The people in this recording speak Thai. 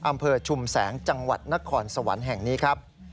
ชุมแสงจังหวัดนครสวรรค์แห่งนี้ครับ